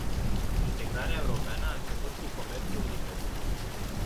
Integrarea europeană a început cu comerțul liber.